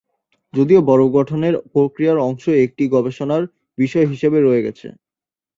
যদিও বরফ গঠনের প্রক্রিয়ার অংশ একটি এখনো গবেষণার বিষয় হিসাবে রয়ে গেছে।